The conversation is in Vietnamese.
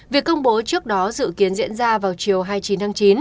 việc công bố trước đó dự kiến diễn ra vào chiều hai mươi chín tháng chín